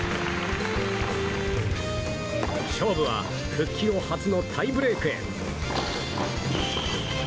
勝負は復帰後初のタイブレークへ。